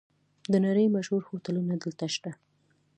د نړۍ مشهور هوټلونه دلته شته.